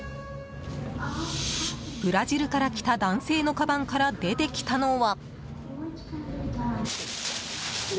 ブラジルから来た男性のかばんから出てきたのは。